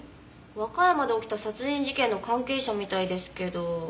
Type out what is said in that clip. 和歌山で起きた殺人事件の関係者みたいですけど。